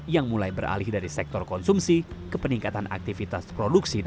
yang mulai beralih dari sektor konsumsi ke peningkatan aktivitas produksi